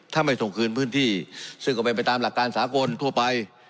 ถ้าไม่ส่งคืนพื้นที่ซึ่งก็เป็นไปตามหลักการสากลทั่วไป